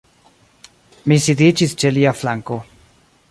Mi sidiĝis ĉe lia flanko.